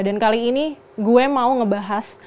dan kali ini gue mau ngebahas